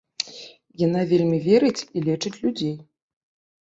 Яна вельмі верыць і лечыць людзей.